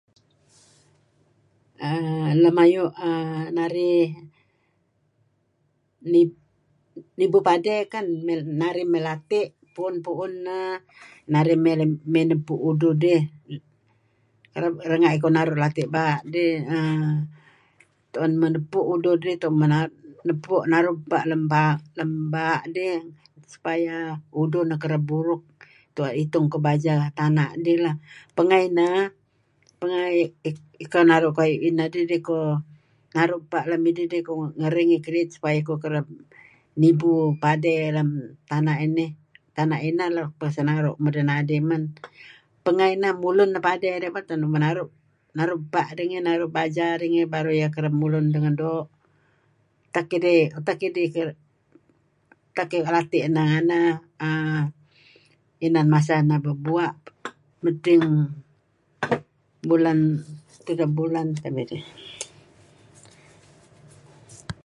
Ah lem ayu' narih uhm nibu padi kan narih may lati' puun-puun narih may nebpu' uduh dih rena' iko naru' ;ati' baa'. Tuen muh nebpu' uduh dih tuen muh naru' ebpa' lem baa' dih supayah uduh nah kereb buruk itung kuh bajah na' dih lah . Pangeh ineh, pangeh iko naru' kayu' ineh dih iko naru' pa' lem idih dih, kediit supaya iko kereb nibu padey lam tana' inih, tana' inah pah senaru' muh nah dih man. Pangeh inah mulun beto padi iko naru' ebpa', baja' dingi baru iyeh kereb mulun dengan doo' . Tak idih, tak idih tak lati' nah nganeh uhm inan masa neh berbua' madting Bulan tiga blan tabe' dih?